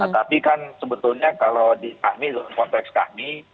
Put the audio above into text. tapi kan sebetulnya kalau di kahmi dalam konteks kahmi